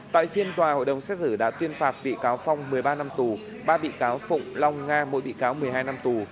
tại phiên tòa hội đồng xét xử đã tuyên phạt bị cáo phong một mươi ba năm tù ba bị cáo phụng long nga mỗi bị cáo một mươi hai năm tù